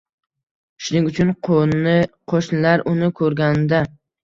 Shuning uchun qoʻni qoʻshnilar uni koʻrganda: